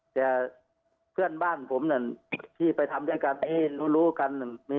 แต่เพื่อนบ้านผมที่ไปทำด้วยกันรู้กัน